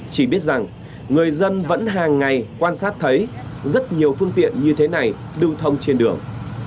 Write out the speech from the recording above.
chỉ biết rằng người dân vẫn hàng ngày quan sát thấy rất nhiều phương tiện như thế này lưu thông trên đường